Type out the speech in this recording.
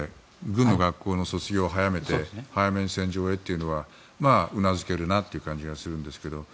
軍の学校の卒業を早めて早めに戦場にというのはうなずけるなという感じがするんですが。